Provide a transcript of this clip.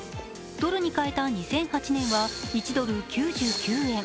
ドルに替えた２００８年は１ドル＝９９円。